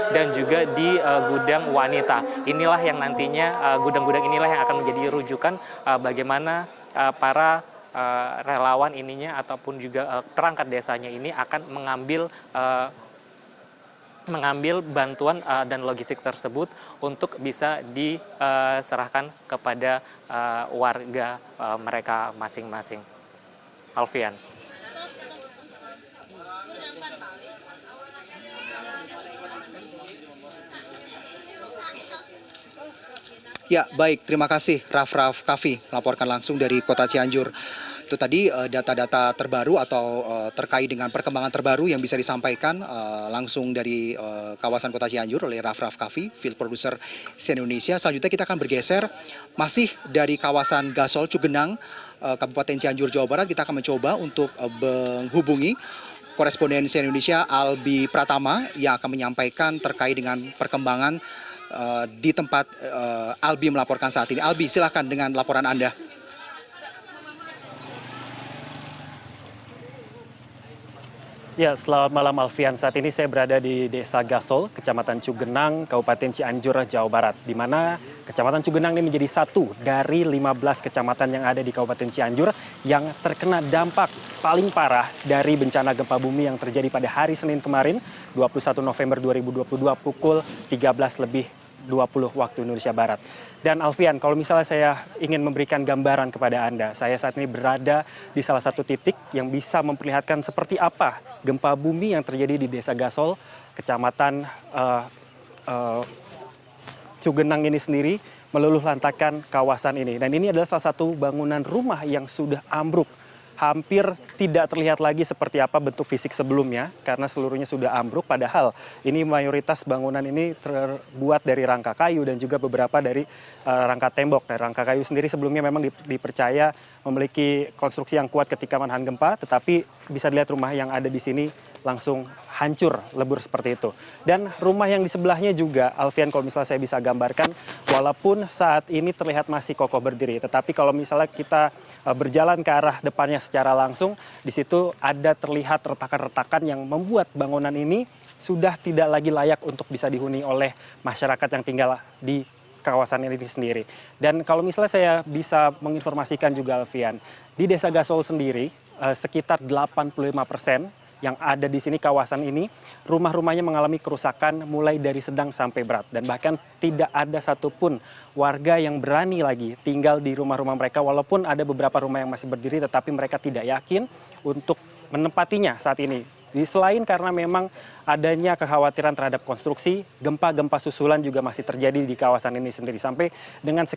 dan juga di gudang wanita inilah yang nantinya gudang gudang inilah yang akan menjadi rujukan bagaimana para relawan ininya ataupun juga perangkat desanya ini akan mengambil bantuan dan logistik tersebut untuk bisa diserahkan kepada warga mereka masing masing